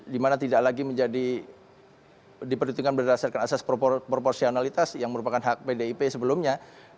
dimana tidak lagi menjadi diperhitungkan berdasarkan asas proporsionalitas yang merupakan hak pdip sebelumnya